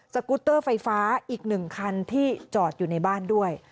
กุตเตอร์ไฟฟ้าอีก๑คันที่จอดอยู่ในบ้านด้วย